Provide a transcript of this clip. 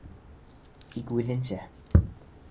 Тик үҙенсә!